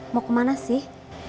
mau kemana sih